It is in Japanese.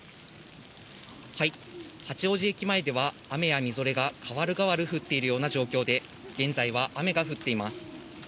八王子駅前では、雨やみぞれが代わる代わる降っているような状況で、現在は雨が降っています。